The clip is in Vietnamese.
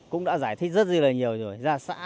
cũng đã giải thích rất là nhiều rồi